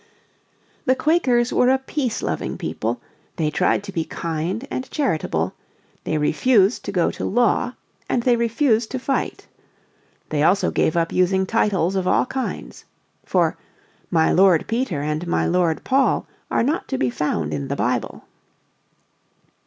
The Quakers were a peace loving people; they tried to be kind and charitable; they refused to go to law; and they refused to fight. They also gave up using titles of all kinds. For, "my Lord Peter and my Lord Paul are not to be found in the Bible."